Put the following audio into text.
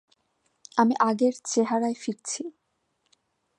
আমি আগের চেহারায় ফিরছি।